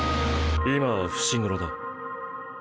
今は伏黒だ。